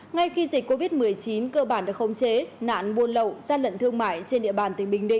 ngay khi dịch covid một mươi chín cơ bản được khống chế nạn buôn lậu ra lận thương mại trên địa bàn